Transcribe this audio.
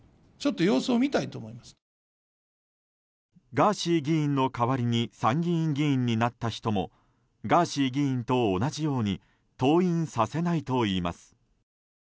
ガーシー議員の代わりに参議院議員になった人もガーシー議員と同じように登院させないといいます。